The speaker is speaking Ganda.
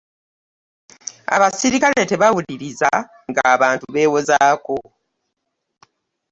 abaserikale tebawulirizanga nga abantu bewozaako.